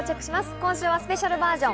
今週はスペシャルバージョン。